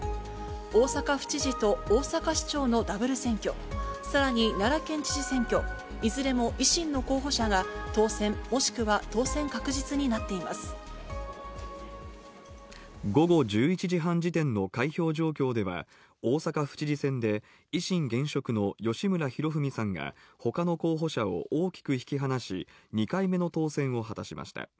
大阪府知事と大阪市長のダブル選挙、さらに奈良県知事選挙、いずれも維新の候補者が当選、もしくは当午後１１時半時点の開票状況では、大阪府知事選で維新・現職の吉村洋文さんが、ほかの候補者を大きく引き離し、２回目の当選を果たしました。